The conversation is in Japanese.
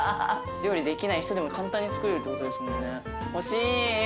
料理できない人でも簡単に作れるってことですもんね